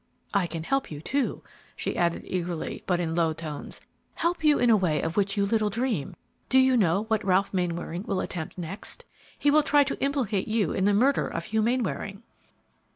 I can help you, too," she added, eagerly, but in low tones, "help you in a way of which you little dream. Do you know what Ralph Mainwaring will attempt next? He will try to implicate you in the murder of Hugh Mainwaring!"